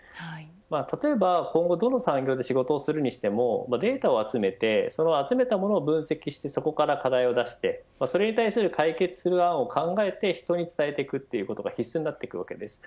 例えば、今後どの産業で仕事をするにしても、データを集めて集めたものを分析してそこから課題を出してそれに対して解決案を考えて人に伝えていくということが必須になります。